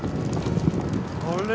あれ？